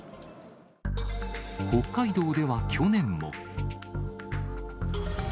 北海道では去年も。